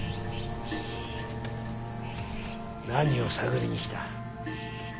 何を探りに来た。